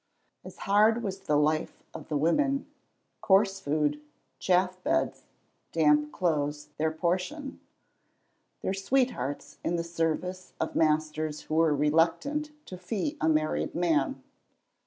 As hard was the life of the women: coarse food, chaff beds, damp clothes, their portion; their sweethearts in the service of masters who were reluctant to fee a married man.